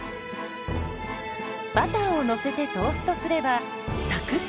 バターをのせてトーストすればサクッとした食感に！